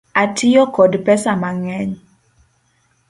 Atiyo kod pesa mang'eny .